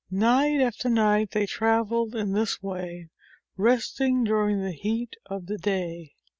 Night after night they traveled in this way, resting during the heat of the day.